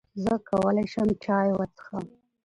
زۀ کولای شم چای وڅښم؟